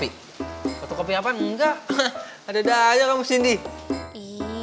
jika kita banyak dia sisi saling sakit